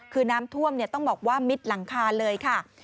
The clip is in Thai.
คือน้ำท่วมต้องบอกว่ามิดหลังคาเลยค่ะ